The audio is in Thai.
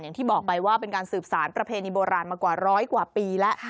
อย่างที่บอกไปว่าเป็นการสืบสารประเพณีโบราณมากว่าร้อยกว่าปีแล้ว